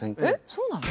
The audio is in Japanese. そうなの？